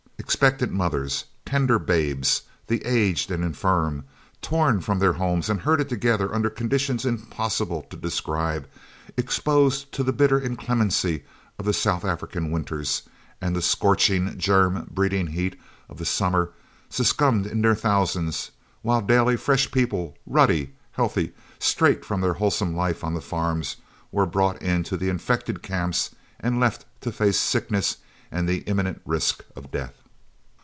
Expectant mothers, tender babes, the aged and infirm, torn from their homes and herded together under conditions impossible to describe, exposed to the bitter inclemency of the South African winters and the scorching, germ breeding heat of the summer, succumbed in their thousands, while daily, fresh people, ruddy, healthy, straight from their wholesome life on the farms, were brought into the infected camps and left to face sickness and the imminent risk of death.